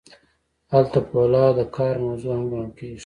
هلته فولاد د کار موضوع هم ګڼل کیږي.